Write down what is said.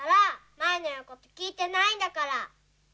舞のいうこときいてないんだから。